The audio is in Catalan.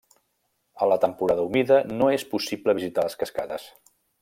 A la temporada humida no és possible visitar les cascades.